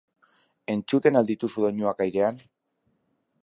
Entzuten al dituzu doinuak airean?